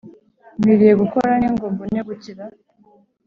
nkwiriye gukora nte, ngo mbone gukira?